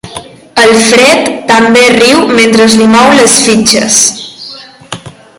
El Fred també riu mentre li mou les fitxes.